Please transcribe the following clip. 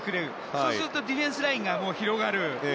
そうするとディフェンスラインが広がる。